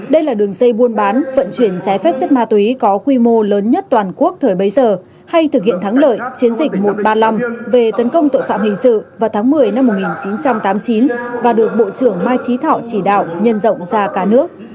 đây là đường dây buôn bán vận chuyển trái phép chất ma túy có quy mô lớn nhất toàn quốc thời bấy giờ hay thực hiện thắng lợi chiến dịch một trăm ba mươi năm về tấn công tội phạm hình sự vào tháng một mươi năm một nghìn chín trăm tám mươi chín và được bộ trưởng mai trí thọ chỉ đạo nhân rộng ra cả nước